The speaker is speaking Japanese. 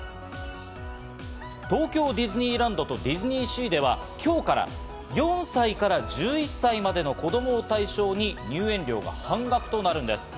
東京ディズニーランドとディズニーシーでは今日から４歳から１１歳までの子供対象に入園料が半額となるんです。